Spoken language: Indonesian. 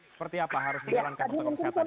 seperti apa harus menjalankan protokol kesehatan